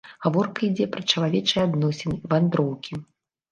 Гаворка ідзе пра чалавечыя адносіны, вандроўкі.